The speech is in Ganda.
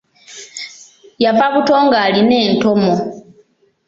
Yava buto ng'alina entomo.